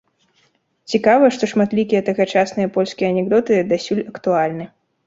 Цікава, што шматлікія тагачасныя польскія анекдоты дасюль актуальны.